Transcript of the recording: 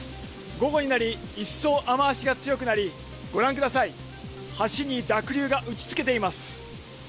午後になり一層雨足が強くなりご覧ください、橋に濁流が打ちつけています。